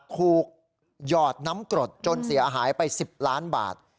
หยอดน้ำกรดจนเสียหายไป๑๐ล้านบาท